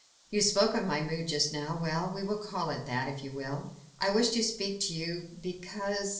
You spoke of my mood just now; well! we will call it that, if you will. I wished to speak to you ... because